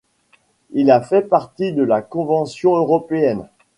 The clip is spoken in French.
Il a fait partie de la Convention européenne.